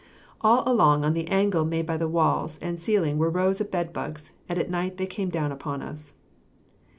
All along on the angle made by the walls and ceiling were rows of bedbugs, and at night they came down upon us.